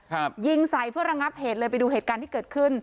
ยิงใส่เพื่อระงับเหตุเลยไปดูเหตุการณ์ที่เกิดขึ้น